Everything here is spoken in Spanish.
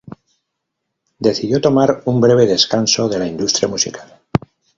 Decidió tomar un breve descanso de la industria musical.